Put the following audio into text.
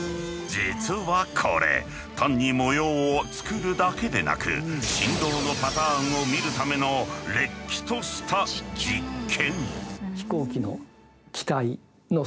実はこれ単に模様を作るだけでなく振動のパターンを見るためのれっきとした実験。